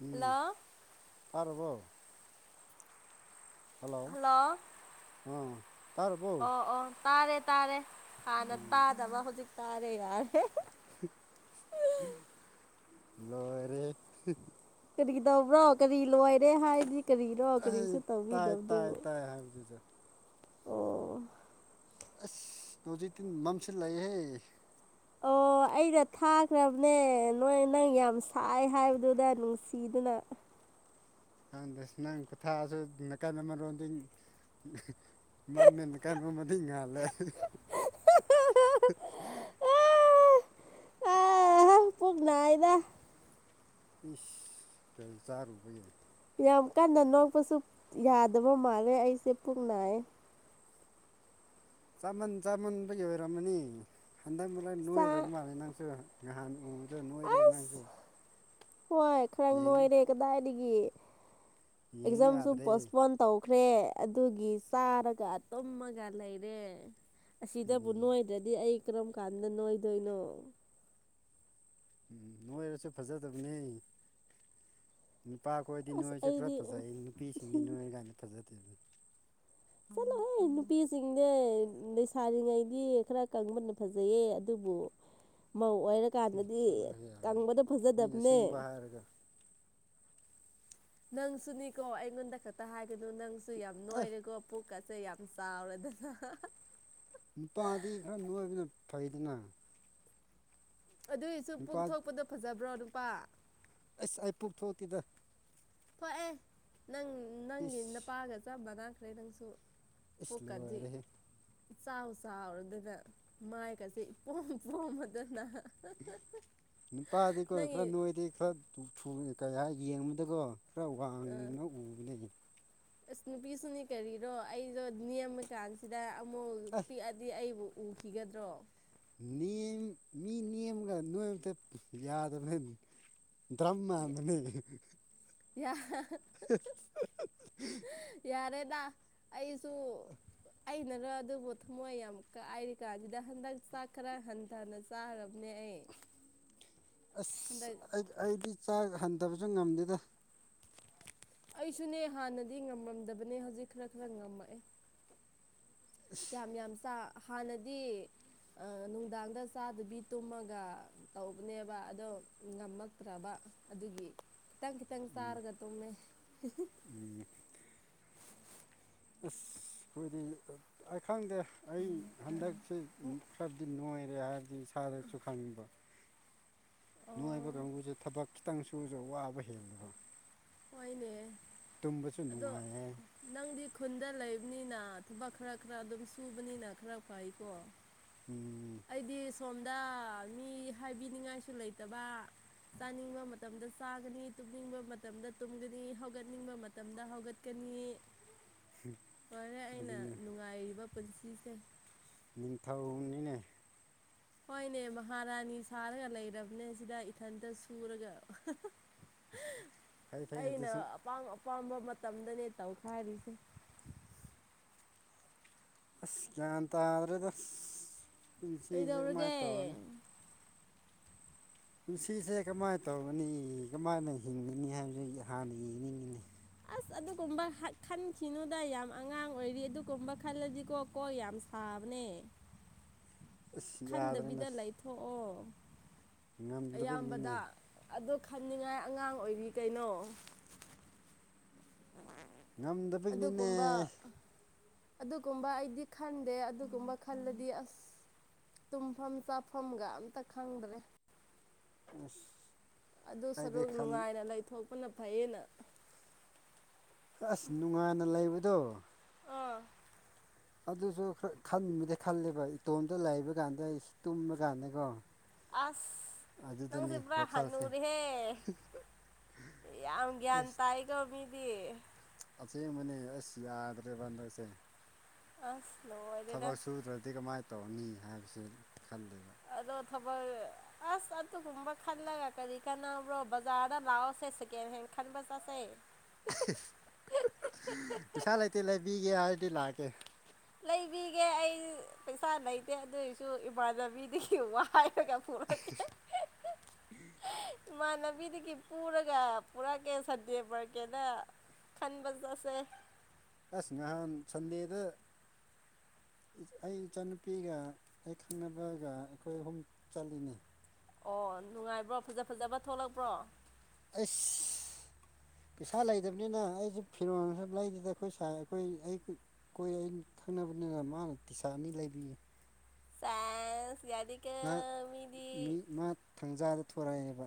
ꯎꯝ hello ꯇꯥꯔꯕꯣ hello ꯑꯥ ꯇꯥꯔꯕꯣ ꯑꯣ ꯑꯣ ꯇꯥꯔꯦ ꯇꯥꯔꯦ ꯍꯥꯟꯅ ꯎꯝ ꯇꯥꯗꯕ ꯍꯧꯖꯤꯛ ꯇꯥꯔꯦ ꯌꯥꯔꯦ ꯂꯣꯏꯔꯦꯍ‌ꯦ ꯀꯔꯤꯒꯤ ꯇꯧꯕ꯭ꯔꯣ ꯀꯔꯤ ꯂꯣꯏꯔꯦ ꯍꯥꯏꯗꯤ ꯀꯔꯤꯅꯣ ꯀꯔꯤꯁꯨ ꯇꯧꯕꯤꯗꯕꯗꯨꯕꯨ ꯑꯩ ꯍꯥꯏꯕꯗꯤꯗ ꯑꯣ ꯑꯁ ꯍꯧꯖꯤꯛꯇꯤ ꯃꯝꯁꯤꯜꯂꯛꯏꯍꯦ ꯑꯣ [inaudible] ꯑꯩꯅ ꯊꯥꯈ꯭ꯔꯕꯅꯦ ꯅꯣꯏ ꯅꯪ ꯌꯥꯝ ꯁꯥꯏ ꯍꯥꯏꯕꯗꯨꯗ ꯅꯨꯡꯁꯤꯗꯅ ꯈꯪꯗ‌ꯦ ꯅꯪ ꯈꯨꯊꯥꯖꯨ ꯅꯀꯟ ꯑꯃꯔꯣꯟꯗꯤꯡ ꯃꯝꯃꯦ ꯅꯀꯥꯟ ꯑꯃꯗꯤ ꯉꯥꯜꯂꯦ [unintelligible] [unintelligible] ꯄꯨꯨꯛ ꯅꯥꯏꯗ ꯏꯁ ꯀꯔꯤ ꯆꯥꯔꯨꯕꯒꯤ ꯌꯥꯝ ꯀꯟꯅ ꯅꯣꯛꯄꯁꯨꯞ ꯌꯥꯗꯕ ꯃꯥꯜꯂꯦ ꯑꯩꯁꯦ ꯄꯨꯛ ꯅꯥꯏꯌꯦ ꯆꯥꯃꯟ ꯆꯥꯃꯟꯕꯒꯤ ꯑꯣꯏꯔꯝꯃꯅꯤ ꯍꯟꯗꯛ ꯃꯔꯛ ꯅꯣꯏꯈ꯭ꯔꯕ ꯆꯥꯛ ꯃꯥꯜꯂꯦ ꯅꯪꯁꯨ ꯉꯍꯥꯟ ꯎꯕꯗ ꯅꯣꯏꯔꯦ ꯅꯪꯁꯨ ꯑꯁ ꯍꯣꯏ ꯈꯔꯛ ꯌꯦꯡ ꯅꯣꯏꯔꯦ ꯀꯗꯥꯏꯗꯒꯤ ꯌꯦꯡ ꯑꯦꯛꯖꯥꯝꯁꯨ ꯌꯥꯗ꯭ꯔꯦ ꯄꯣꯁꯄꯣꯟ ꯇꯧꯈ꯭ꯔꯦ ꯑꯗꯨꯒꯤ ꯆꯥꯔꯒ ꯇꯨꯝꯃꯒ ꯂꯩꯔꯦ ꯑꯁꯤꯗꯕꯨ ꯎꯝ ꯅꯣꯏꯗ꯭ꯔꯗꯤ ꯑꯩ ꯀꯔꯝ ꯀꯥꯟꯗ ꯅꯣꯏꯗꯣꯏꯅꯣ ꯎꯝ ꯅꯣꯏꯔꯁꯨ ꯐꯖꯗꯕꯅꯦ ꯅꯨꯄꯥꯈꯣꯏꯗꯤ ꯑꯁ ꯅꯣꯏꯔꯁꯨ ꯈꯔ ꯑꯩꯗꯤ ꯐꯖꯩ ꯅꯨꯄꯤꯁꯤꯡꯗꯤ ꯅꯣꯏꯔ [unintelligible] ꯐꯖꯗꯦ ꯆꯠꯂꯣꯍꯦ ꯅꯨꯄꯤꯁꯤꯡꯗꯤ ꯂꯩꯁꯥꯔꯤꯉꯩꯒꯤ ꯈꯔ ꯀꯪꯕꯅ ꯐꯖꯩꯌꯦ ꯑꯗꯨꯕꯨ ꯃꯧ ꯑꯣꯏꯔꯀꯥꯟꯗꯗꯤ ꯆꯠꯂꯣꯍꯦ ꯌꯥꯔꯦ ꯀꯪꯕꯗꯣ ꯃꯤꯅ ꯐꯖꯗꯞꯅꯦ [unintelligible] ꯅꯪꯁꯨꯅꯤꯀꯣ ꯑꯩꯉꯣꯟꯗ ꯈꯛꯇ ꯍꯥꯏꯒꯅꯨ ꯅꯪꯁꯨ ꯌꯥꯝ ꯑꯦ ꯅꯣꯏꯔꯦꯀꯣ ꯄꯨꯛꯀꯁꯦ ꯌꯥꯝ ꯆꯥꯎꯔꯗꯅ ꯅꯨꯄꯥꯗꯤ ꯈꯔ ꯅꯣꯏꯕꯅ ꯐꯩꯗꯅ ꯑꯗꯨꯏꯁꯨ ꯅꯨꯄꯥ ꯄꯨꯛ ꯊꯣꯛꯄꯗꯣ ꯐꯖꯕ꯭ꯔꯣ ꯅꯨꯄꯥ ꯑꯁ ꯑꯩ ꯄꯨꯛ ꯊꯣꯛꯇꯦꯗ ꯊꯣꯛꯑꯦ ꯅꯪ ꯅꯪꯒꯤ ꯏꯁ ꯅꯄꯥꯒ ꯆꯞ ꯃꯥꯟꯅꯈ꯭ꯔꯦ ꯅꯪꯁꯨ ꯏꯁ ꯄꯨꯛꯀꯗꯤ ꯂꯣꯏꯔꯦꯍꯦ ꯏꯆꯥꯎ ꯆꯥꯎꯔꯗꯅ ꯃꯥꯏꯒꯁꯦ ꯏꯄꯣꯝ ꯄꯣꯝꯃꯗꯅ ꯅꯨꯄꯥꯗꯤꯀꯣ ꯅꯪꯒꯤ ꯈꯔ ꯅꯣꯏꯔꯗꯤ ꯈꯔ [unintelligible] ꯀꯩ ꯍꯥꯏꯒꯦ ꯌꯦꯡꯕꯗꯀꯣ ꯈꯔ ꯑꯥ ꯋꯥꯡꯅ ꯎꯕꯅꯦ ꯑꯁ ꯅꯨꯄꯤꯁꯨꯅꯤ ꯀꯔꯤꯔꯣ ꯑꯩꯗꯣ ꯅꯦꯝꯃ ꯀꯥꯟꯁꯤꯗ ꯑꯃꯨꯛ ꯑꯁ ꯄꯤꯛꯑ ꯗꯤ ꯑꯩꯕꯨ ꯎꯈꯤꯒꯗ꯭ꯔꯣ ꯅꯦꯡ ꯃꯤ ꯅꯦꯝꯒ ꯅꯣꯏꯕꯗ ꯌꯥꯗꯕꯅꯦ ꯗ꯭ꯔꯝ ꯃꯥꯟꯕꯅꯦ ꯌꯥ [unintelligible] [unintelligible] [unintelligible] ꯌꯥꯔꯦꯗ ꯑꯩꯁꯨ ꯑ [unintelligible] ꯑꯩꯅꯔ ꯑꯗꯨꯕꯨ ꯊꯃꯣꯏ ꯌꯥꯝ ꯀꯥꯏꯔꯤ ꯀꯥꯟꯁꯤꯗ ꯍꯟꯗꯛ ꯆꯥꯛ ꯈꯔ ꯍꯟꯊꯅ ꯆꯥꯔꯕꯅꯦ ꯑꯩ ꯑꯁ ꯍꯟꯗꯛ ꯑꯩ ꯑꯩꯗꯤ ꯆꯥꯛ ꯍꯟꯊꯕꯁꯨ ꯉꯝꯗꯦꯗ ꯑꯩꯁꯨꯅꯦ ꯍꯥꯟꯅꯗꯤ ꯉꯝꯔꯝꯗꯕꯅꯦ ꯍꯧꯖꯤꯛ ꯈꯔ ꯈꯔ ꯉꯝꯃꯛꯑꯦ ꯌꯥꯝ ꯌꯥꯝ ꯆꯥ ꯍꯥꯟꯅꯗꯤ ꯑ ꯅꯨꯡꯗꯥꯡꯗ ꯆꯥꯗꯕꯤ ꯇꯨꯝꯃꯒ ꯇꯧꯕꯅꯦꯕ ꯑꯗꯣ ꯉꯝꯃꯛꯇ꯭ꯔꯕ ꯑꯗꯨꯒꯤ ꯈꯤꯇꯪ ꯈꯤꯇꯪ ꯎꯝ ꯆꯥꯔꯒ ꯇꯨꯝꯃꯦ [unintelligible] ꯎꯝ ꯑꯁ ꯈꫭꯏꯗꯤ ꯑꯩ ꯈꯪꯗꯦ ꯑꯩ ꯍꯟꯗꯛꯁꯦ ꯈ꯭ꯔꯗꯤ ꯅꯣꯏꯔꯦ ꯍꯥꯏꯗꯤ ꯏꯁꯥꯗ ꯁꯨ ꯈꯪꯕ ꯅꯣꯏꯕ ꯑꯣ ꯀꯥꯡꯒꯨꯁꯦ ꯊꯕꯛ ꯈꯤꯇꯪ ꯁꯨꯔꯁꯨ ꯋꯥꯕ ꯍꯦꯜ [unintelligible] ꯍꯣꯏꯅꯦ ꯇꯨꯝꯕꯁꯨ ꯑꯗꯣ ꯅꯨꯡꯉꯥꯏꯌꯦ ꯅꯪꯗꯤ ꯈꯨꯟꯗ ꯂꯩꯕꯅꯤꯅ ꯊꯕꯛ ꯈꯔ ꯈꯔ ꯑꯗꯨꯝ ꯁꯨꯕꯅꯤꯅ ꯈꯔ ꯐꯩꯀꯣ ꯎꯝ ꯑꯩꯗꯤ ꯁꯣꯝꯗ ꯃꯤ ꯍꯥꯏꯕꯤꯅꯤꯡꯉꯥꯏꯁꯨ ꯂꯩꯇꯕ ꯆꯥꯅꯤꯡꯕ ꯃꯇꯝꯗ ꯆꯥꯒꯅꯤ ꯇꯨꯝꯅꯤꯡꯕ ꯃꯇꯝꯗ ꯇꯨꯝꯒꯅꯤ ꯍꯧꯒꯠꯅꯤꯡꯕ ꯃꯇꯝꯗ ꯍꯧꯒꯠꯀꯅꯤ ꯂꫭꯏꯔꯦ ꯑꯩꯅ ꯑꯗꯨꯅꯦ ꯅꯨꯡꯉꯥꯏꯔꯤꯕ ꯄꯨꯟꯁꯤꯁꯦ ꯅꯤꯡꯊꯧꯅꯤꯅꯦ ꯍꯣꯏꯅꯦ ꯃꯍꯥꯔꯥꯅꯤ ꯁꯥꯔꯒ ꯂꯩꯔꯕꯅꯦ ꯁꯤꯗ ꯏꯊꯟꯇ ꯁꯨꯔꯒ [unintelligible] ꯐꯩ [unintelligible] ꯐꯩ ꯑꯩꯅ ꯑꯗꯨꯁꯨ ꯑꯄꯥꯝ ꯑꯄꯥꯝꯕ ꯃꯇꯝꯗꯅꯦ ꯇꯧꯈꯥꯏꯔꯤꯁꯦ ꯑꯁ ꯌꯥꯟ ꯇꯥꯗ꯭ꯔꯦꯗ ꯄꯨꯟꯁꯤꯁꯦ ꯀꯃꯥꯏ ꯀꯩꯗꯧꯔꯒꯦ ꯇꯧꯒꯅꯤ ꯄꯨꯟꯁꯤꯁꯦ ꯀꯝꯃꯥꯏ ꯇꯧꯒꯅꯤ ꯀꯝꯃꯥꯏꯅ ꯍꯤꯡꯒꯅꯤ ꯍꯥꯏꯕꯁꯦ ꯍꯥꯟꯅ ꯌꯦꯡꯅꯤꯡꯉꯤꯅꯤ ꯑꯁ ꯑꯗꯨꯒꯨꯝꯕ ꯍꯥꯠ ꯈꯟꯈꯤꯅꯨꯗ ꯌꯥꯝ ꯑꯉꯥꯡ ꯑꯣꯏꯔꯤ ꯑꯗꯨꯒꯨꯝꯕ ꯈꯜꯂꯗꯤꯀꯣ ꯀꯣ ꯌꯥꯝ ꯄꯥꯝꯃꯦ ꯑꯁ ꯌꯥꯗ꯭ꯔꯦꯅꯦ ꯈꯟꯗꯕꯤꯗ ꯑꯁ ꯂꯩꯊꯣꯛꯑꯣ ꯉꯝꯗꯕꯒꯤꯅꯤꯅꯦ ꯑꯌꯥꯝꯕꯗ ꯑꯗꯣ ꯈꯟꯅꯤꯡꯉꯥꯏ ꯑꯉꯥꯡ ꯑꯣꯏꯔꯤ ꯀꯩꯅꯣ ꯉꯝꯗꯕꯩ ꯅꯤꯅꯦ ꯑꯗꯨꯒꯨꯝꯕ ꯑꯗꯨꯒꯨꯝꯕ ꯑꯩꯗꯤ ꯈꯟꯗꯦ ꯑꯗꯨꯒꯨꯝꯕ ꯈꯜꯂꯗꯤ ꯑꯁ ꯇꯨꯝꯐꯝ ꯆꯥꯐꯝꯒ ꯑꯝꯇ ꯈꯪꯗ꯭ꯔꯦ ꯑꯁ ꯑꯗꯨ ꯑꯩꯗꯤ ꯁꯔꯨꯛ ꯈꯜ ꯅꯨꯡꯉꯥꯏꯅ ꯂꯩꯊꯣꯛꯄꯅ ꯐꯩꯌꯦꯅ ꯑꯁ ꯅꯨꯡꯉꯥꯏꯅ ꯂꯩꯕꯗꯣ ꯑꯥ ꯑꯗꯨꯁꯨ ꯈꯔ ꯈꯟꯕꯗꯤ ꯈꯜꯂꯦꯕ ꯏꯇꯣꯝꯇ ꯂꯩꯕ ꯀꯥꯟꯗ ꯑꯩ ꯇꯨꯝꯕ ꯀꯥꯟꯗꯀꯣ ꯑꯁ ꯅꯪꯁꯦ ꯑꯗꯨꯗꯅꯤ ꯄꯨ꯭ꯔꯥ ꯋꯥꯈꯜꯁꯦ ꯍꯅꯨꯔꯦꯍꯦ ꯌꯥꯝ ꯒ꯭ꯌꯥꯟ ꯑꯩꯁ ꯇꯥꯏꯀꯣ ꯃꯤꯗꯤ ꯑꯁꯦꯡꯕꯅꯦ ꯑꯁ ꯌꯥꯗ꯭ꯔꯦꯕ ꯍꯟꯗꯛꯁꯦ ꯑꯥꯁ ꯂꯣꯏ ꯊꯕꯛ ꯁꯨꯗ꯭ꯔꯗꯤ ꯀꯃꯥꯏꯅ ꯇꯧꯅꯤ ꯍꯥꯏꯕꯁꯦ ꯈꯜꯂꯦꯕ ꯑꯗꯣ ꯊꯕꯛ ꯑꯁ ꯑꯗꯨꯒꯨꯝꯕ ꯈꯜꯂꯒ ꯀꯔꯤ ꯀꯥꯟꯅꯕ꯭ꯔꯣ ꯕꯖꯥꯔꯗ ꯂꯥꯛꯑꯣꯁꯦ ꯁꯦꯀꯦꯟ ꯍꯦꯟ ꯈꯟꯕ ꯆꯠꯁꯦ ꯄꯩꯁꯥ ꯂꯩꯇꯦ ꯂꯩꯕꯤꯒꯦ ꯍꯥꯏꯔꯗꯤ ꯂꯥꯛꯀꯦ ꯂꯩꯕꯤꯒꯦ ꯑꯩ ꯄꯩꯁꯥ ꯂꯩꯇꯦ ꯑꯗꯨꯑꯣꯏꯁꯨ ꯏꯃꯥꯟꯅꯕꯤꯗꯨꯒꯤ ꯋꯥꯏ ꯔꯒꯥ ꯄꯨꯔꯛꯀꯦ ꯏꯃꯥꯟꯅꯕꯤꯗꯒꯤ ꯄꯨꯔꯒ ꯄꯨꯔꯛꯀꯦ ꯁꯟꯗꯦ ꯃ꯭ꯔꯀꯦꯗ ꯈꯟꯕꯖꯁꯦ ꯑꯁ ꯅꯍꯥꯟ ꯁꯟꯗꯦꯗ ꯑꯩ ꯏꯆꯥꯅꯨꯄꯤꯒ ꯑꯩ ꯈꯪꯅꯕꯒ ꯑꯩꯈꯣꯏ ꯑꯍꯨꯝ ꯆꯠꯂꯤꯅꯤ ꯑꯣ ꯅꯨꯡꯉꯥꯏꯕ꯭ꯔꯣ ꯐꯖ ꯐꯖꯕ ꯊꯣꯛꯂꯛꯄ꯭ꯔꯣ ꯑꯁ ꯄꯩꯁꯥ ꯂꯩꯇꯕꯅꯤꯅ ꯑꯩꯁꯦ ꯐꯤꯔꯣꯟꯜ ꯁꯨ ꯂꯩꯗꯨꯗ ꯑꯩꯈꯣꯏ ꯁꯥꯏ ꯑꯩꯈꯣꯏ ꯑꯩ ꯀꯣꯏ ꯑꯩꯅ ꯈꯪꯅꯕꯅꯤꯅ ꯃꯥꯅ ꯇꯤꯁꯥ ꯑꯅꯤ ꯂꯩꯕꯤꯌꯦ ꯁꯦꯏꯁ ꯌꯥꯗꯤ ꯀꯦ ꯅꯪ ꯃꯤ ꯃꯥ ꯊꯥꯡꯖꯥꯗ ꯊꯣꯔꯛꯑꯦꯕ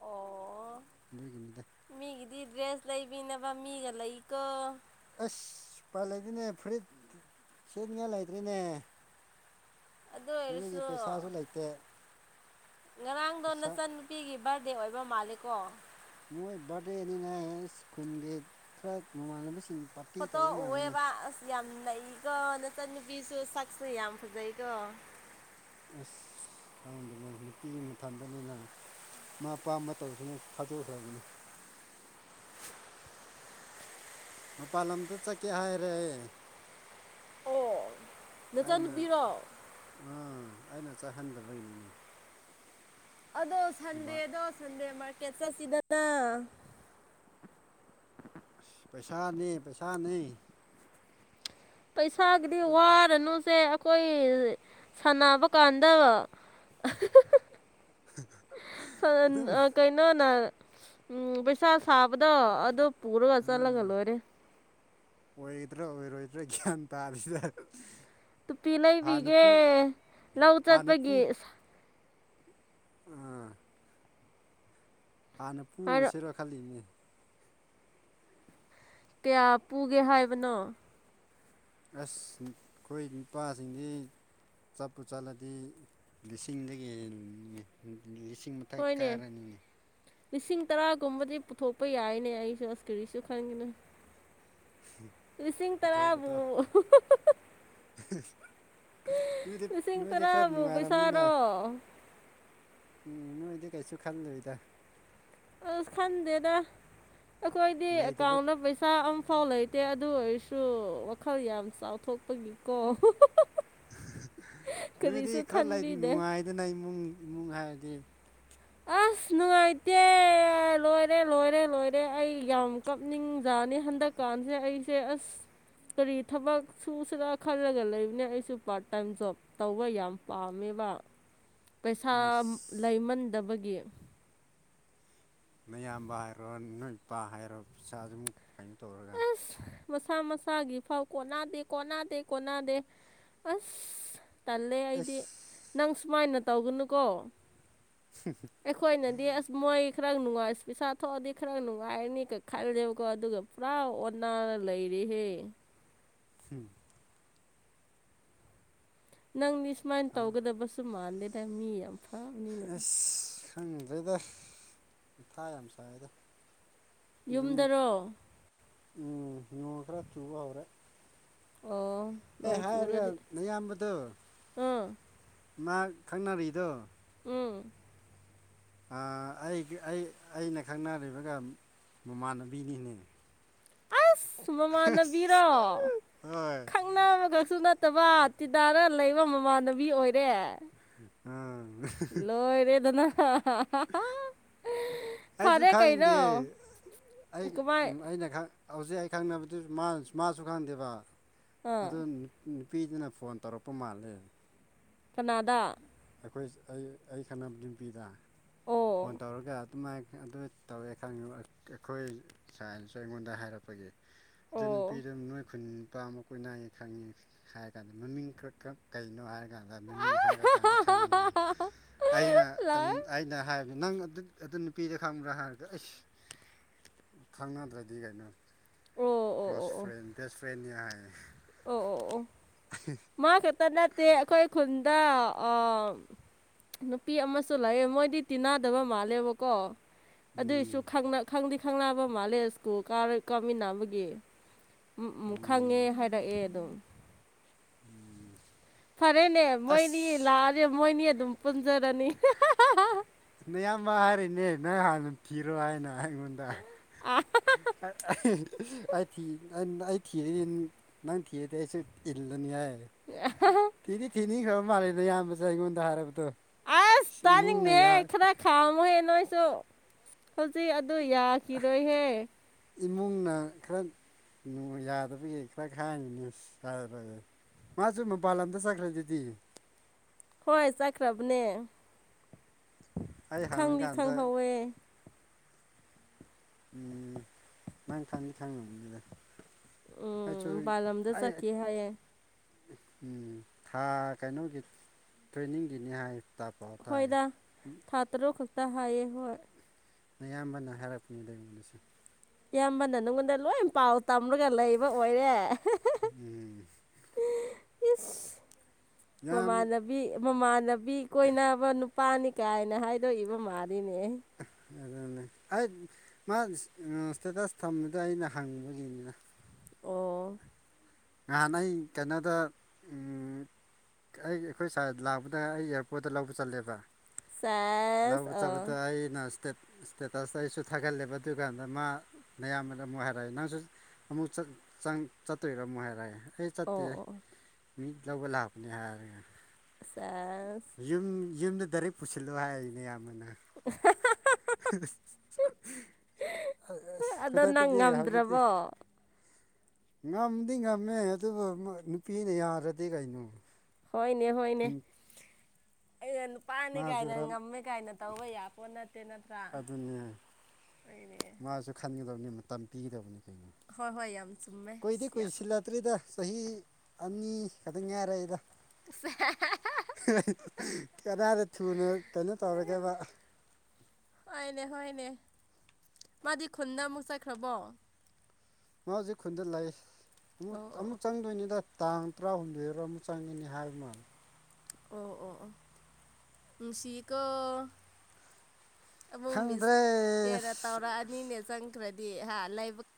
ꯑꯣ ꯑꯗꯨꯒꯤꯅꯤꯗ ꯃꯤꯒꯤꯗꯤ ꯗ꯭ꯔꯦꯁ ꯂꯩꯕꯤꯅꯕ ꯃꯤꯒ ꯂꯩꯀꯣ ꯑꯁ ꯄꯥꯂꯗꯤꯅꯦ ꯐꯨꯔꯤꯠ ꯁꯦꯠꯅꯤꯡꯉꯥꯏ ꯂꯩꯇ꯭ꯔꯔꯤꯅꯦ ꯑꯗꯨ ꯑꯗꯨꯒꯤ ꯑꯣꯏꯔꯁꯨ ꯄꯩꯁꯥꯁꯨ ꯂꯩꯇꯦ ꯉꯔꯥꯡꯗꯣ ꯄꯩꯁꯥ ꯅꯆꯟꯅꯨꯄꯤꯒꯤ ꯕꯥꯔꯗꯦ ꯑꯣꯏꯕ ꯃꯥꯜꯂꯦꯀꯣ ꯃꯣꯏ ꯕꯥꯔꯗꯦꯅꯤꯅ ꯑꯦꯁ ꯈꯨꯨꯜꯒꯤ ꯈꯔ ꯃꯃꯥꯟꯅꯕꯁꯤꯡ ꯄꯥꯔꯇꯤ ꯐꯣꯠꯇꯣ ꯇꯧꯕ ꯃꯥꯜꯂꯤꯅꯦ ꯑꯣꯏꯑꯦꯕ ꯑꯁ ꯌꯥꯝ ꯅꯩꯀꯣ ꯅꯆꯟ ꯅꯨꯨꯄꯤꯁꯨ ꯁꯛꯁꯨ ꯌꯥꯝ ꯐꯖꯩꯀꯣ ꯑꯁ ꯈꯪꯗꯅꯦ ꯅꯨꯄꯤ ꯃꯊꯟꯗꯅꯤꯅ ꯃꯥ ꯑꯄꯥꯝꯕ ꯇꯧꯁꯨꯅꯨ ꯊꯥꯗꯣꯛꯈ꯭ꯔꯕꯅꯤ ꯃꯄꯥꯟ ꯂꯝꯗ ꯆꯠꯀꯦ ꯍꯥꯏꯔꯛꯌ‌ꯦ ꯑꯣ ꯑꯩꯅ ꯅꯆꯟꯅꯨꯄꯤꯔꯣ ꯑꯥ ꯑꯩꯅ ꯆꯠꯍꯟꯗꯕꯩꯅꯤꯅꯦ ꯑꯗꯣ ꯁꯟꯗꯦꯗꯣ ꯁꯟꯗꯦ ꯃꯥꯔꯀꯦꯠ ꯆꯠꯁꯤꯗꯅ ꯑꯁ ꯄꯩꯁꯥꯅꯦ ꯄꯩꯁꯥꯅꯦ꯫ ꯄꯩꯁꯥꯒꯤꯗꯤ ꯋꯥꯔꯅꯨꯁꯦ ꯈꯣꯏ ꯁꯥꯟꯅꯕ ꯀꯥꯟꯗ [unintelligible] ꯁꯥꯟ ꯑꯗꯨꯝ ꯑ ꯀꯩ ꯅꯣꯅ ꯎꯝ ꯄꯩꯁꯥ ꯁꯥꯕꯗꯣ ꯑꯗꯨ ꯄꯨꯔꯒ ꯆꯠꯂꯒ ꯑꯥ ꯂꯣꯏꯔꯦ꯫ ꯑꯣꯏꯒꯗ꯭ꯔꯥ ꯑꯣꯏꯔꯣꯏꯗ꯭ꯔꯥ ꯒ꯭ꯌꯥꯟ ꯇꯥꯗ꯭ꯔꯤꯗ꯫ ꯇꯨꯄꯤ ꯂꯩꯕꯤꯒꯦ ꯂꯧ ꯍꯥꯟꯅ ꯆꯠꯄꯒꯤ꯫ ꯎꯝ ꯍꯥꯟꯅ ꯍꯥꯏꯔ ꯄꯨꯔꯨꯁꯤꯔ ꯈꯜꯂꯤꯅꯦ꯫ ꯀꯌꯥ ꯄꯨꯒꯦ ꯍꯥꯏꯕꯅꯣ? ꯑꯁ ꯈꯣꯏ ꯅꯨꯄꯥꯁꯤꯡꯗꯤ, ꯆꯠꯄꯨ ꯆꯠꯂꯗꯤ ꯂꯤꯁꯤꯡꯗꯒꯤ ꯂꯤꯁꯤꯡ ꯃꯊꯛ ꯍ‌ꯣꯏꯅꯦ꯫ ꯀꯥꯔꯅꯤꯅꯦ ꯂꯤꯁꯤꯡ ꯇꯔꯥꯒꯨꯝꯕꯗꯤ ꯄꯨꯊꯣꯛꯄ ꯌꯥꯏꯅꯦ ꯑꯩꯁꯨ ꯑꯁ ꯀꯔꯤꯁꯨ ꯈꯟꯒꯅꯨ꯫ [unintelligible] ꯂꯤꯁꯤꯡ ꯄꯨꯊꯣꯛ ꯇꯔꯥꯕꯨ꯫ ꯄꯨꯊꯣꯛ [unintelligible] ꯅꯣꯏꯗꯤ ꯂꯤꯁꯤꯡ ꯅꯣꯏꯗꯤ ꯈꯔ ꯇꯔꯥꯕꯨ ꯅꯨꯡꯉꯥꯏꯔꯝꯅꯤꯅ꯫ ꯄꯩꯁꯥꯔꯣ ꯎꯝ ꯅꯣꯏꯗꯤ ꯀꯩꯁꯨ ꯈꯜꯂꯣꯏꯗ꯫ ꯑꯁ ꯈꯟꯗꯦꯗ ꯑꯩꯈꯣꯏꯗꯤ ꯂꯩꯇꯕ ꯑꯦꯀꯥꯎꯟꯗ ꯄꯩꯁꯥ ꯑꯝꯐꯥꯎ ꯂꯩ ꯇꯦ ꯑꯗꯨ ꯑꯣꯏꯔꯁꯨ ꯋꯥꯈꯜ ꯌꯥꯝ ꯆꯥꯎꯊꯣꯛꯄꯒꯤꯀꯣ꯫ ꯅꯣꯏꯗꯤ ꯀꯔꯤꯁꯨ ꯈꯔ ꯂꯩ ꯈꯟꯕꯤꯗꯦ ꯅꯨꯡꯉꯥꯏꯗꯅ ꯏꯃꯨꯡ ꯏꯃꯨꯡ ꯍꯥꯏꯔꯗꯤ꯫ ꯑꯁ ꯅꯨꯡꯉꯥꯏꯇꯦ ꯂꯣꯏꯔꯦ ꯂꯣꯏꯔꯦ ꯂꯣꯏꯔꯦ ꯑꯩ꯫ ꯑꯩ ꯌꯥꯝ ꯀꯞꯅꯤꯡꯖꯥꯅꯤ ꯍꯟꯗꯛꯀꯥꯟꯁꯤ ꯑꯩꯁꯦ ꯑꯁ꯫ ꯀꯔꯤ ꯊꯕꯛ ꯁꯨꯁꯤꯔ ꯈꯜꯂꯒ ꯂꯩꯕꯅꯦ ꯑꯩꯁꯨ ꯄꯥꯔꯠ ꯇꯥꯏꯝ ꯖꯣꯕ, ꯇꯧꯕ ꯌꯥꯝ ꯄꯥꯝꯃꯦꯕ ꯄꯩꯁꯥ ꯑꯁ ꯂꯩꯃꯟꯗꯕꯒꯤ꯫ ꯃꯌꯥꯝꯕ ꯍꯥꯏꯔꯣ ꯅꯣꯏ ꯏꯄꯥ ꯍꯥꯏꯔꯣ ꯄꯩꯁꯥꯗꯨꯝ ꯀꯩꯅꯣ ꯇꯧꯔꯒ, ꯃꯁꯥ ꯃꯁꯥꯒꯤ ꯐꯥꯎ ꯀꯣꯟꯅꯗꯦ ꯀꯣꯟꯅꯗꯦ ꯀꯣꯟꯅꯗꯦ꯫ ꯑꯁ ꯇꯜꯂꯦ ꯑꯩꯗꯤ ꯑꯁ ꯅꯪ ꯁꯨꯃꯥꯏꯅ ꯇꯧꯒꯅꯨꯀꯣ꯫ [unintelligible] ꯑꯩꯈꯣꯏꯅꯗꯤ ꯑꯁ ꯃꯣꯏ ꯈꯔ ꯅꯨꯡꯉꯥꯏ ꯄꯩꯁꯥ ꯊꯣꯛꯑꯗꯤ ꯈꯔ ꯅꯨꯡꯉꯥꯏꯔꯅꯤꯀ ꯈꯜꯂꯦꯕꯀꯣ ꯑꯗꯨꯒ, ꯄꯨꯔꯥ ꯑꯣꯟꯅꯔ ꯂꯩꯔꯤꯍꯦ꯫ ꯍꯝ ꯅꯪꯗꯤ ꯁꯨꯃꯥꯏꯅ ꯇꯧꯒꯗꯕꯁꯨ ꯃꯥꯟꯗꯦꯗ ꯃꯤ ꯌꯥꯝ ꯐꯕꯅꯤꯅ ꯑꯁ ꯈꯪꯗ꯭ꯔ‌ꯦꯗ ꯃꯊꯥ ꯌꯥꯝ ꯁꯥꯏꯗ꯫ ꯑꯗꯨꯝ ꯌꯨꯝꯗꯔꯣ ꯅꯣꯡ ꯈꯔ ꯆꯨꯕ ꯍꯧꯔꯦ꯫ ꯑꯣ ꯑꯦ ꯅꯣꯡ ꯍꯥꯏꯔꯒ ꯆꯨꯔꯗꯤ ꯅꯌꯥꯝꯕꯗꯣ ꯑꯥ ꯃꯥ ꯈꯪꯅꯔꯤꯗꯣ, ꯎꯝ ꯑꯥ ꯑꯩꯒꯤ ꯑꯩ ꯑꯩꯅ ꯈꯪꯅꯔꯤꯕꯒ ꯃꯃꯥꯟꯅꯕꯤꯅꯤꯅꯦ꯫ ꯑꯁ ꯃꯃꯥꯟꯅꯕꯤꯔꯣ ꯍꯣꯏ ꯈꯪꯅꯕꯒ ꯁꯨ ꯅꯠꯇꯕ ꯇꯤꯅꯔ ꯂꯩꯕ ꯃꯃꯥꯟꯅꯕꯤ ꯑꯣꯏꯔꯦ꯫ ꯑꯥ ꯂꯣꯏꯔꯦꯗꯅ꯫ ꯑꯩꯁꯨ ꯐꯔꯦ ꯀꯩꯅꯣ ꯈꯪꯗꯤꯌꯦ ꯑꯩ ꯀꯃꯥꯏ ꯎꯝ ꯑꯩꯅ ꯈꯛ ꯍꯧꯖꯤꯛ ꯑꯩ ꯈꯪꯅꯕꯗꯨ ꯃꯥꯁꯨ ꯈꯪꯗꯦꯕ ꯑꯥ ꯑꯗꯨ ꯅꯨꯄꯤꯗꯨꯅ ꯐꯣꯟ ꯇꯧꯔꯛꯄ ꯃꯥꯜꯂꯦ꯫ ꯀꯅꯥꯗꯥ ꯑꯩꯈꯣꯏ ꯑꯩ ꯑꯩ ꯈꯪꯅꯕ ꯌꯄꯤꯗ ꯑꯣ ꯐꯣꯟ ꯇꯧꯔꯒ ꯑꯗꯨꯃꯥꯏꯅ ꯑꯗꯨ ꯇꯧꯋꯦ ꯈꯪꯉꯤ ꯑꯩꯈꯣꯏ ꯁꯥꯏꯅꯁꯨ ꯑꯩꯉꯣꯟꯗ ꯍꯥꯏꯔꯛꯄꯒꯤ ꯑꯗꯨ ꯑꯣ ꯅꯨꯄꯤꯗ ꯅꯣꯏ ꯈꯨꯟ ꯅꯨꯄꯥ ꯑꯃ ꯀꯣꯏꯅꯥꯏꯌꯦ ꯈꯪꯉꯦ ꯍꯥꯏꯔ ꯀꯥꯟꯗ ꯃꯃꯤꯡ ꯈꯔ ꯈ ꯀꯩꯅꯣ ꯍꯥꯏꯔꯀꯥꯟꯗ ꯃꯃꯤꯡ ꯍꯥꯏꯔꯀꯥꯟꯗ ꯈꯪꯉꯤꯉꯅꯤ ꯑꯩꯅ ꯂꯥꯛ ꯑꯩꯅ ꯍꯥꯏꯕꯗꯤ ꯅꯪ ꯑꯗꯨ ꯅꯨꯄꯤꯗ ꯈꯪꯕ꯭ꯔꯥ ꯍꯥꯏꯕꯗ ꯑꯩꯁ ꯈꯪꯅꯗ꯭ꯔꯗꯤ ꯀꯩꯅꯣ ꯑꯣ ꯑꯣ ꯑꯣ ꯀ꯭ꯂꯣꯁ ꯑꯣ ꯐ꯭ꯔꯦꯟ ꯕꯦꯁ ꯐ꯭ꯔꯦꯟꯅꯤꯍꯥꯏ ꯑꯣ ꯑꯣ ꯑꯣ ꯃꯥ ꯈꯛꯇ ꯅꯠꯇꯦ ꯑꯩꯈꯣꯏ ꯈꯨꯟꯗ ꯑ ꯅꯨꯄꯤ ꯑꯃꯁꯨ ꯂꯩꯑꯦ ꯃꯣꯏꯗꯤ ꯇꯤꯟꯅꯗꯕ ꯃꯥꯜꯂꯦꯕꯀꯣ ꯑꯗꯨꯏꯁꯨ ꯎꯝ ꯈꯪꯅ ꯈꯪꯗꯤ ꯈꯪꯅꯕ ꯃꯥꯂꯦ ꯁ꯭ꯀꯨꯜ ꯀꯥꯔ ꯀꯥꯃꯤꯟꯅꯕꯒꯤ ꯎ ꯈꯪꯉꯦ ꯎꯝ ꯍꯥꯏ ꯈꯛꯑꯦ ꯑꯗꯨꯝ ꯎꯝ ꯐꯔꯦꯅꯦ ꯃꯣꯏꯅꯤ ꯂꯥꯛꯑꯗꯤ ꯃꯣꯏꯅꯤ ꯑꯗꯨꯝ ꯄꯨꯟꯖꯔꯅꯤ ꯅ ꯌꯥꯝꯕ ꯍꯥꯏꯔꯤꯅꯦ ꯅꯪ ꯍꯥꯟꯅ ꯀꯤꯔꯣ ꯍꯥꯏꯅ ꯑꯩꯉꯣꯟꯗ ꯑꯩ ꯊꯤ ꯑꯩ ꯊꯤꯔ ꯅꯪ ꯊꯤꯔꯗꯤ ꯑꯩꯁꯨ ꯏꯜꯂꯅꯤ ꯍꯥꯏ ꯑ [unintelligible] ꯊꯤꯗꯤ ꯊꯤꯅꯤꯈ꯭ꯔꯕ ꯃꯥꯜꯂꯦꯅ ꯑꯌꯥꯝꯕꯁꯦ ꯑꯩꯉꯣꯟꯗ ꯍꯥꯏꯔꯕꯗꯣ ꯑꯁ ꯇꯥꯅꯤꯡꯗꯦꯍꯦ ꯏꯃꯨꯡꯅ ꯈꯔ ꯈꯥꯝꯃꯨꯍꯦ ꯅꯣꯏꯁꯨ ꯍꯧꯖꯤꯛ ꯑꯗꯨ ꯌꯥ ꯈꯤꯔꯣꯏꯍꯦ ꯏꯃꯨꯡꯅ ꯈꯔ ꯌꯥꯗꯕꯒꯤ ꯈꯔ ꯈꯥꯏꯉꯒꯤꯅꯦ [unintelligible] ꯃꯥꯁꯨ ꯃꯄꯥꯟ ꯂꯝꯗ ꯆꯠꯈ꯭ꯔ ꯗꯨꯗꯤ ꯍꯣꯏ ꯆꯠꯈ꯭ꯔꯕꯅꯦ ꯑꯩ ꯍꯪꯅꯤꯡꯀꯥꯟꯗ ꯍꯣꯏ ꯎꯝ ꯅꯪ ꯈꯪꯗꯤ ꯈꯪꯂꯝꯅꯤꯗ ꯎꯝ ꯑꯩꯆꯣꯏ ꯃꯄꯥꯟ ꯂꯝꯗ ꯑꯩ ꯆꯠꯈꯤ ꯍꯥꯏꯌꯦ ꯎꯝ ꯊꯥ ꯀꯩꯅꯣꯒꯤ ꯇ꯭ꯔꯦꯟꯅꯤꯡꯒꯤꯅꯤ ꯍꯥꯏ ꯇꯥ ꯄꯥꯎ ꯇꯥꯏ ꯍꯣꯏꯗ ꯊꯥ ꯇꯔꯨꯛ ꯈꯛꯇ ꯍꯥꯏꯌꯦ ꯍꯣꯏ ꯅꯌꯥꯝꯕꯅ ꯍꯥꯏꯔꯛꯄꯅꯦꯗ ꯑꯩꯉꯣꯟꯗꯁꯨ ꯏꯌꯥꯝꯕꯅ ꯅꯪꯉꯣꯟꯗ ꯂꯣꯏ ꯄꯥꯎ ꯇꯝꯔꯒ ꯂꯩꯕ ꯑꯣꯏꯔꯦ ꯎꯝ ꯏꯁ ꯌꯥꯝ ꯃꯃꯥꯟꯅꯕ ꯕꯤ ꯃꯃꯥꯟꯅꯕꯤ ꯀꯣꯏꯅꯕ ꯅꯨꯄꯥꯅꯤ ꯀꯥꯏꯅ ꯍꯥꯏꯗꯣꯛꯏꯕ ꯃꯥꯜꯂꯤꯅꯦ ꯑꯗꯨꯅꯦ ꯑꯩ ꯃꯥ ꯏꯁꯇꯦꯇꯁ ꯊꯝꯕꯗ ꯑꯩꯅ ꯍꯪꯕꯒꯤꯅꯤꯅ ꯑꯣ ꯉꯍꯥꯟ ꯑꯩ ꯀꯩꯅꯣꯗ ꯎꯝ ꯑꯩ ꯑꯩꯈꯣꯏ ꯁꯥꯏꯗ ꯂꯥꯛꯄꯗ ꯑꯩ ꯑꯦꯌꯥꯔꯄꯣꯔꯠꯇ ꯂꯧꯕ ꯆꯠꯂꯦꯕ ꯁꯦꯁ ꯂꯧꯕ ꯆꯠꯄꯇ ꯑꯣ ꯑꯩꯅ ꯇꯦꯠ ꯏꯁꯇꯦꯇꯁꯇ ꯑꯩꯁꯨ ꯊꯥꯒꯠꯂꯦꯕ ꯑꯗꯨꯀꯥꯟꯗ ꯃꯥ ꯅꯌꯥꯝꯕꯅ ꯑꯃꯨꯛ ꯍꯥꯏꯔꯛꯑꯦ ꯅꯪꯁꯨ ꯑꯃꯨꯛ ꯆꯠ ꯆꯪ ꯆꯠꯇꯣꯏꯔꯝ ꯍꯥꯏ ꯔꯦ ꯑꯩ ꯆꯠꯇꯦ ꯑꯣ ꯑꯣ ꯃꯤ ꯂꯧꯕ ꯂꯥꯛꯄꯅꯦ ꯍꯥꯏꯔꯒ ꯁꯤꯁ ꯌꯨꯝ ꯌꯨꯝꯗ ꯗꯥꯏꯔꯦꯛ ꯄꯨꯁꯤꯜꯂꯣ ꯍꯥꯏꯅꯦ ꯅꯌꯥꯝꯕꯟꯅ ꯑꯥ ꯍꯥ ꯍꯥ ꯍꯥ [unintelligible] ꯑꯁ ꯑꯗꯣ ꯅꯪ ꯈꯨꯗꯛꯇꯗꯤ ꯍꯧꯖꯤꯛꯇꯤ ꯉꯝꯗ꯭ꯔꯕꯣ ꯉꯝꯗꯤ ꯉꯝꯃꯦ ꯑꯗꯨꯕꯨ ꯅꯨꯄꯤꯅ ꯌꯥꯗ꯭ꯔꯗꯤ ꯀꯩꯅꯣ ꯍꯣꯏꯅꯦ ꯍꯣꯏꯅꯦ ꯑꯩꯅ ꯅꯨꯄꯥꯅꯤ ꯃꯥꯁꯨ ꯀꯥꯏꯅ ꯈꯔ ꯉꯝꯃꯦ ꯀꯥꯏꯅ ꯇꯧꯕ ꯌꯥꯄꯣꯠ ꯅꯠꯇꯦ ꯅꯠ ꯑꯗꯨꯅꯦ ꯃꯥꯁꯨ ꯈꯟꯒꯗꯕꯅꯤ ꯃꯇꯝ ꯄꯤꯒꯗꯕꯅꯤ ꯀꯩ ꯍꯣꯏ ꯍꯣꯏ ꯌꯥꯝ ꯆꯨꯝꯃꯦ ꯀꯨꯏꯗꯤ ꯑꯁ ꯌꯥꯝ ꯀꯨꯏꯁꯤꯜꯂꯛꯇ꯭ꯔꯤꯗ ꯆꯍꯤ ꯑꯅꯤ ꯈꯛꯇꯪ ꯉꯥꯏꯔꯛꯏꯗ ꯀꯗꯥꯏꯗ ꯊꯨꯅꯣ ꯀꯩꯅꯣ ꯇꯧꯔꯒꯦꯕ ꯍꯣꯢꯅꯦ ꯍꯣꯏꯅꯦ ꯃꯥꯗꯤ ꯈꯨꯟꯗ ꯑꯃꯨꯛ ꯆꯠꯈ꯭ꯔꯕꯣ ꯃꯥ ꯍꯧꯖꯤꯛ ꯈꯨꯟꯗ ꯂꯩ ꯑꯃꯨꯛ ꯑꯣ ꯑꯣ ꯑꯃꯨꯛ ꯑꯣ ꯆꯪꯗꯣꯏꯅꯤꯗ ꯇꯥꯡ ꯇꯔꯥꯍꯨꯝꯗꯣꯏꯔꯣ ꯑꯃ ꯆꯪꯒꯅꯤ ꯍꯥꯏꯕ ꯃꯥꯜꯂꯦ ꯑꯣ ꯑꯣ ꯑꯣ ꯅꯨꯡꯁꯤꯀꯣ ꯑꯃꯨꯛ ꯃꯤꯁ ꯈꯪꯗ꯭ꯔꯦ ꯍꯦꯟꯅ ꯇꯧꯔꯛꯑꯅꯤꯅꯦ ꯆꯪꯈ꯭ꯔꯗꯤ ꯍꯥ ꯂꯥꯢꯕꯛ